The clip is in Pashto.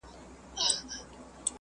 د وچه هوا څخه د وېښتو ساتنه وکړئ.